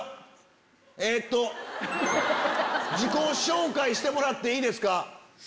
自己紹介してもらっていいですか？